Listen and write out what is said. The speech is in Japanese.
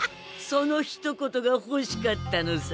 そのひと言がほしかったのさ。